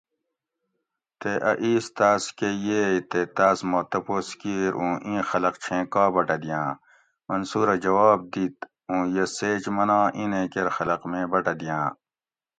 تے اۤ ایس تاۤس کہ ییئ تے تاۤس ما تپوس کِیر اوں ایں خلق چھیں کا بٹہ دیاں؟ منصورہ جواب دِیت اُوں یہ سیچ مناں ایں نیں کیر خلق میں بٹہ دیاں